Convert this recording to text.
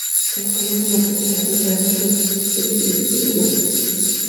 Se localiza una plaza central rodeada por importantes edificios y plazas más pequeñas.